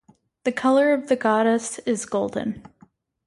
The color of the goddess is golden.